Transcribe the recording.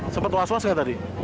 sempat was was nggak tadi